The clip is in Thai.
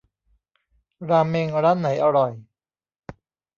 ราเมงร้านไหนอร่อย